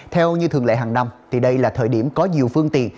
theo như thường lệ hàng năm thì đây là thời điểm có nhiều phương tiện